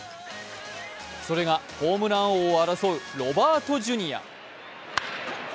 それがホームラン王を争うロバートＪｒ。